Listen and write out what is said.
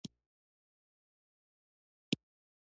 مرستې د هېوادونو پر خپل ځان اعتماد زیانمنوي.